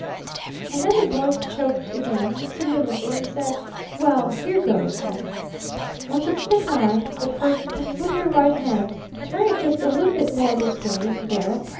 "And then the Voice choked again, just a little bit, and said: 'Well here goes, then. Once upon a time but first, can you move your right hand? Turn it just a little bit more this way. There!